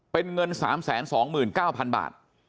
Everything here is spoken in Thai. เป็นเงิน๓๒๙๐๐๐บาท